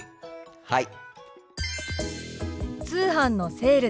はい。